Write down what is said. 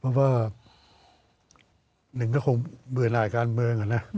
เพราะว่าหนึ่งก็คงเบื่อหน่ายการเมืองอะนะ